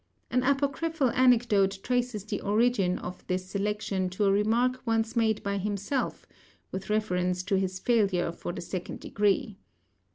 An apocryphal anecdote traces the origin of this selection to a remark once made by himself with reference to his failure for the second degree.